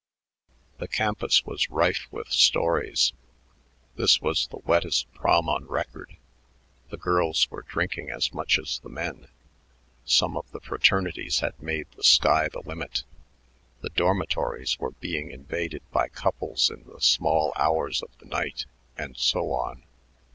The campus was rife with stories: this was the wettest Prom on record, the girls were drinking as much as the men, some of the fraternities had made the sky the limit, the dormitories were being invaded by couples in the small hours of the night, and so on.